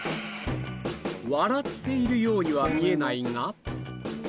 笑っているようには見えないが？